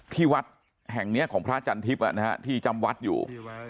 ที่วัดแห่งเนี้ยของพระอาจารย์ทิพย์อ่ะนะฮะที่จำวัดอยู่